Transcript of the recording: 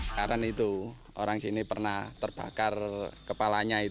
sekarang itu orang sini pernah terbakar kepalanya